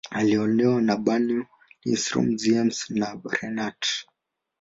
Aliolewa na Bernow, Lindström, Ziems, na Renat.